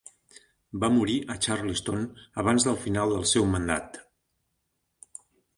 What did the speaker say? Va morir a Charleston abans del final del seu mandat.